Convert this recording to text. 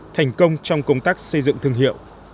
thành công trong công tác xây dựng thương hiệu